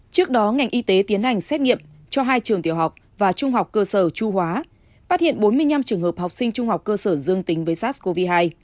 trước đó ngành y tế tiến hành xét nghiệm cho hai trường tiểu học và trung học cơ sở chu hóa phát hiện bốn mươi năm trường hợp học sinh trung học cơ sở dương tính với sars cov hai